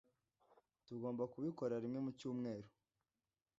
Tugomba kubikora rimwe mu cyumweru.